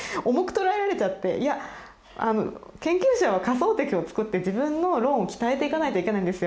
いや研究者は仮想敵を作って自分の論を鍛えていかないといけないんですよ。